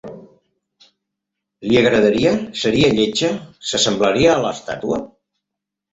Li agradaria? Seria lletja? S'assemblaria a l'estàtua?